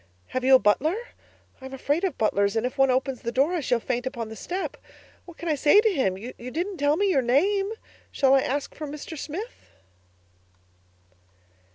Have you a butler? I'm afraid of butlers, and if one opens the door I shall faint upon the step. What can I say to him? You didn't tell me your name. Shall I ask for Mr. Smith?